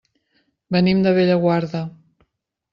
Venim de Bellaguarda.